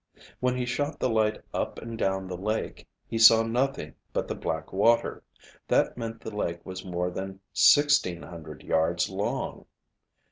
When he shot the light up and down the lake, he saw nothing but the black water. That meant the lake was more than sixteen hundred yards long.